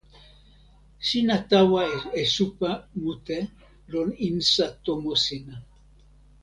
sina tawa e supa mute lon insa tomo sina.